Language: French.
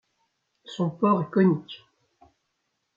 Son port est conique.